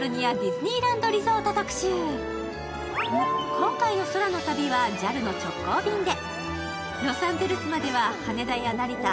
今回の空の旅はＪＡＬの直行便で。